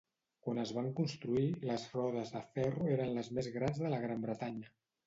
Quan es van construir, les rodes de ferro eren les més grans de Gran Bretanya.